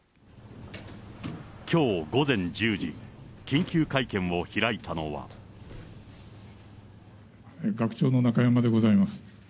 きょう午前１０時、緊急会見を開いたのは。学長の中山でございます。